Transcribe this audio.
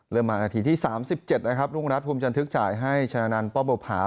มานาทีที่๓๗นะครับรุ่งรัฐภูมิจันทึกจ่ายให้ชนะนันป้อบุภา